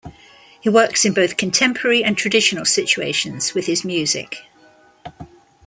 He works in both contemporary and traditional situations with his music.